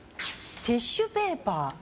ティッシュペーパー。